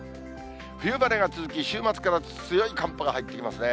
冬晴れが続き、週末から強い寒波が入ってきますね。